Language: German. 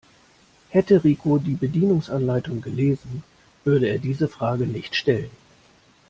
Hätte Rico die Bedienungsanleitung gelesen, würde er diese Fragen nicht stellen.